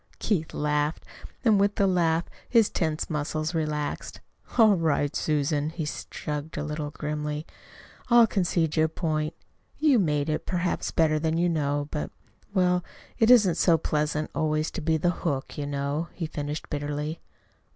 Keith laughed and with the laugh his tense muscles relaxed. "All right, Susan," he shrugged a little grimly. "I'll concede your point. You made it perhaps better than you know. But well, it isn't so pleasant always to be the hook, you know," he finished bitterly.